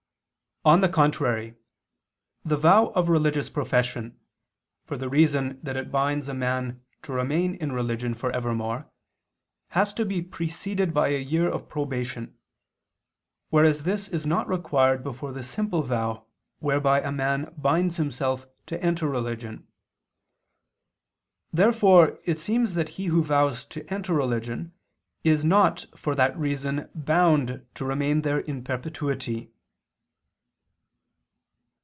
On the contrary, The vow of religious profession, for the reason that it binds a man to remain in religion for evermore, has to be preceded by a year of probation; whereas this is not required before the simple vow whereby a man binds himself to enter religion. Therefore it seems that he who vows to enter religion is not for that reason bound to remain there in perpetuity.